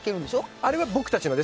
あれは僕たちなので。